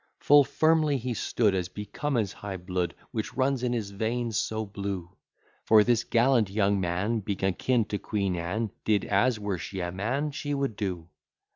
Full firmly he stood, As became his high blood, Which runs in his veins so blue: For this gallant young man, Being a kin to QUEEN ANNE, Did as (were she a man) she would do.